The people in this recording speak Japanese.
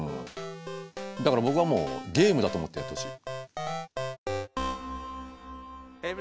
だから僕はもうゲームだと思ってやってほしい。